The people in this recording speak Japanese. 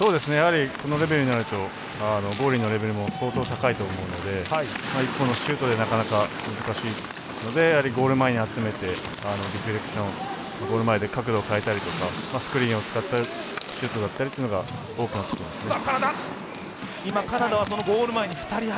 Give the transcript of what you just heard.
やはりこのレベルになるとゴールのレベルも相当高いと思うので１本のシュートではなかなか難しいのでゴール前に集めてデフレクションゴール前で角度変えたりスクリーンを使ったシュートだったりというのが多くなってきます。